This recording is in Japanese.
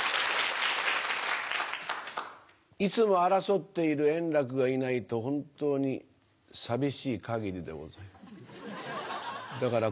いつも争っている円楽がいないと、本当に寂しいかぎりでございます。